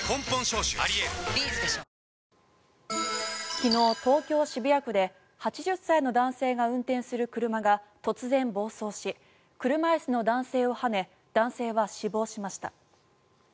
昨日、東京・渋谷区で８０歳の男性が運転する車が突然、暴走し車椅子の男性をはね男性は死亡しました。